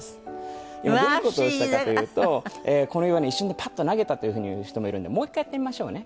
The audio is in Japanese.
どういう事をしたかというとこのように一瞬でパッと投げたというふうに言う人もいるんでもう一回やってみましょうね。